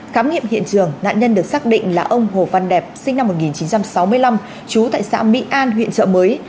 khám nghiệm hiện trường nạn nhân được xác định là ông hồ văn đẹp sinh năm một nghìn chín trăm sáu mươi năm trú tại xã mỹ an huyện trợ mới